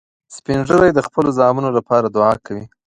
سپین ږیری د خپلو زامنو لپاره دعا کوي